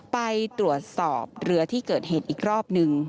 ไปตรวจสอบเรือที่เกิดเหตุอีกรอบนึง